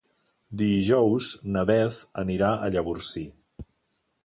Dijous na Beth anirà a Llavorsí.